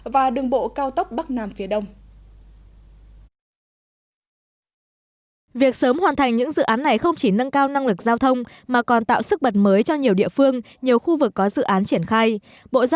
và đường bộ cao tốc bắc nam phía đông